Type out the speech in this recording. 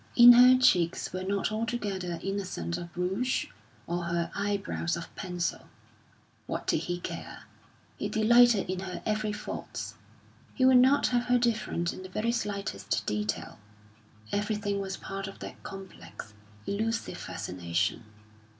If her cheeks were not altogether innocent of rouge or her eyebrows of pencil, what did he care; he delighted in her very faults; he would not have her different in the very slightest detail; everything was part of that complex, elusive fascination.